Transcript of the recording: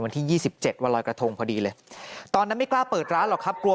หลังจากพบศพผู้หญิงปริศนาตายตรงนี้ครับ